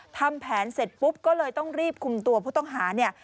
ทำแผนเสร็จปุ๊บก็เลยต้องรีบคุมตัวผู้ต้องหาเนี่ย